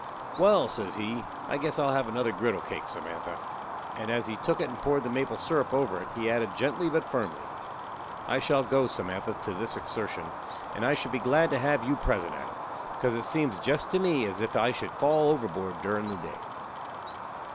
"Wal," says he, "I guess I'll have another griddle cake, Samantha." And as he took it and poured the maple syrup over it, he added gently but firmly: "I shall go, Samantha, to this exertion, and I should be glad to have you present at it, because it seems jest to me as if I should fall overboard durin' the day."